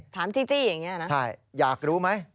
จีจี้อย่างนี้นะใช่อยากรู้ไหม